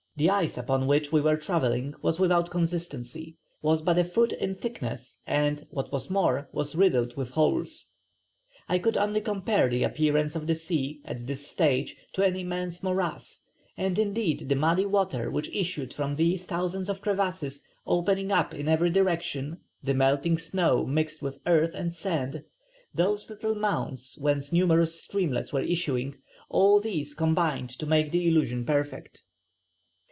The ice upon which we were travelling was without consistency, was but a foot in thickness, and what was more was riddled with holes.... I could only compare the appearance of the sea, at this stage, to an immense morass; and indeed the muddy water which issued from these thousands of crevasses, opening up in every direction, the melting snow mixed with earth and sand, those little mounds whence numerous streamlets were issuing, all these combined to make the illusion perfect."